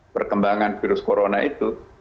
perkembangan virus corona itu